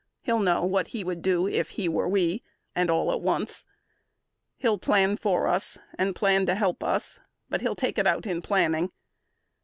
He'll know what he would do if he were we, And all at once. He'll plan for us and plan To help us, but he'll take it out in planning.